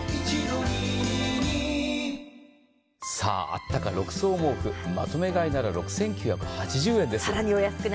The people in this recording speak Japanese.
合ったか６層毛布まとめ買いなら６９８０円です。